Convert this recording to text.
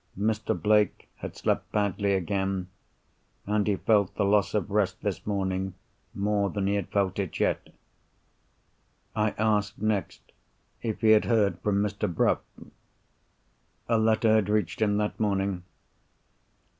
Mr. Blake had slept badly again, and he felt the loss of rest this morning more than he had felt it yet. I asked next if he had heard from Mr. Bruff. A letter had reached him that morning.